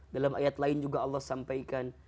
dalam ayat lain juga allah sampaikan